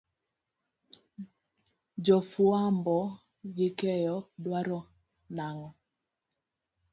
Jo fuambo gikeyo dwaro nang'o.